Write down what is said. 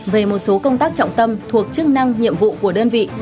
về một số công tác trọng tâm thuộc chức năng nhiệm vụ của đơn vị